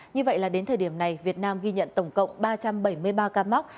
như vậy là đến thời điểm này việt nam ghi nhận tổng cộng ba trăm bảy mươi ba ca mắc